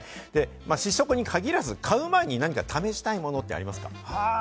試食に限らず、買う前に何か試したいものってありますか？